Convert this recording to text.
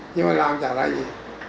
nhưng mà làm chả ra gì